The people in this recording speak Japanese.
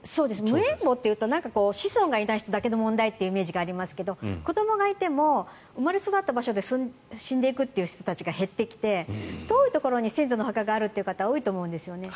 無縁墓というと子孫がいない人の問題というイメージがありますが子どもがいても生まれ育った場所で死んでいくという人たちが減ってきて遠いところに先祖のお墓があるという方は多いと思うんですよね。